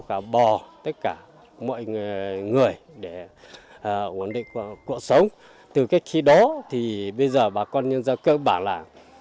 cả bò tất cả mọi người để ổn định cuộc sống từ cách khi đó thì bây giờ bà con nhân gia cơ bản là